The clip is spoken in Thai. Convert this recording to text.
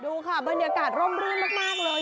ดูค่ะบรรยากาศร่มรื่นมากเลย